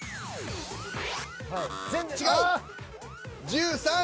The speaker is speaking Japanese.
１３位。